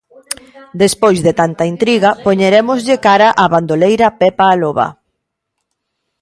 Despois de tanta intriga, poñerémoslle cara á bandoleira Pepa a Loba.